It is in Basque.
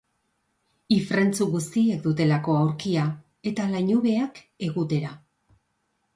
Ifrentzu guztiek dutelako aurkia, eta lainubeak egutera.